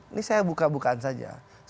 ini saya buka bukaan saja